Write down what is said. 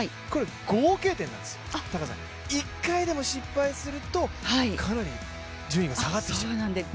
合計点なんですよ、１回でも失敗するとかなり順位が下がってきちゃう。